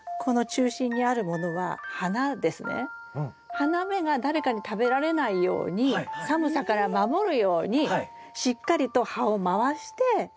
花芽が誰かに食べられないように寒さから守るようにしっかりと葉を回して守ってるんですね。